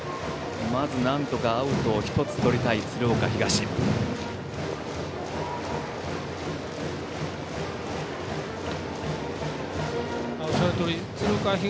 まずなんとかアウトを１つとりたい鶴岡東。